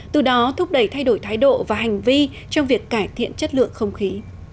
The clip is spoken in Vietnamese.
từ đó thúc đẩy thay đổi thái độ và hành vi trong việc cải thiện chất lượng không khí